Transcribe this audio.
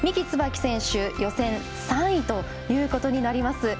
つばき選手予選３位ということになります。